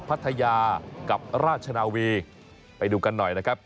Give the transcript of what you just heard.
พัทยากับราชนาวีไปดูกันหน่อยนะครับ